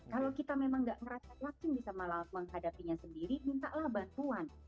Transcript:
kalau kita memang nggak merasa laking bisa malah menghadapinya sendiri mintalah bantuan